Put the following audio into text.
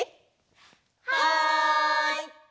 はい！